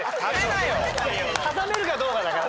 挟めるかどうかだから。